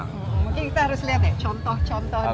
mungkin kita harus lihat ya contoh contoh dan